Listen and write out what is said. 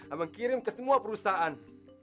abang kirim ke semua perusahaan